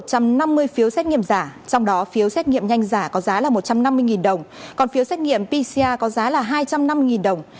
các phiếu xét nghiệm giả trong đó phiếu xét nghiệm nhanh giả có giá là một trăm năm mươi đồng còn phiếu xét nghiệm pcr có giá là hai trăm năm mươi đồng